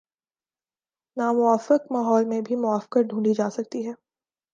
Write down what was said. ناموافق ماحول میں بھی موافقت ڈھونڈی جا سکتی ہے۔